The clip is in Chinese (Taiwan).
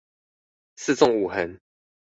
四縱五橫